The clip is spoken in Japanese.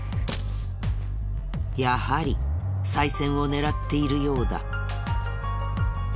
やはりさい銭を狙っているようだ。